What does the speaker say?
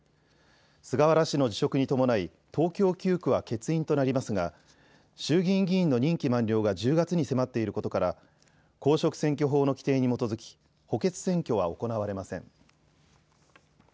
菅原氏の辞職に伴い東京９区は欠員となりますが衆議院議員の任期満了が１０月に迫っていることから公職選挙法の規定に基づき補欠選挙は行われません。